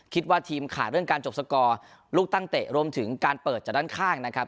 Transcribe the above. คิดว่าทีมขาดเรื่องการจบสกอร์ลูกตั้งเตะรวมถึงการเปิดจากด้านข้างนะครับ